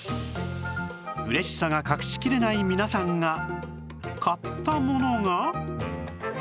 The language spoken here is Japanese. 嬉しさが隠しきれない皆さんが買ったものが